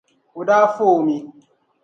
O daa fa o mi.